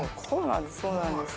そうなんです。